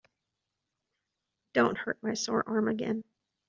Don't hurt my sore arm again.